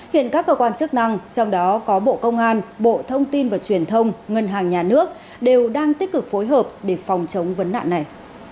hiện các cơ quan chức năng trong đó có bộ công an bộ thông tin và truyền thông ngân hàng nhà nước đều đang tích cực phối hợp để phòng chống vấn nạn này